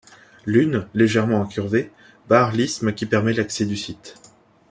L'une, légèrement incurvée, barre l'isthme qui permet l'accès du site.